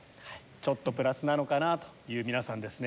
ちょっとプラスなのかなぁという皆さんですね。